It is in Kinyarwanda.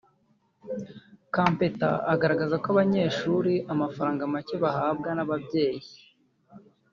Kampeta agaragaza ko Abanyeshuri amafaranga make bahabwa n’ababyei